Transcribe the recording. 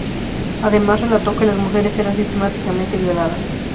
Además relató que las mujeres eran sistemáticamente violadas.